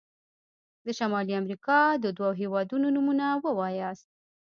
د شمالي امريکا د دوه هيوادونو نومونه ووایاست.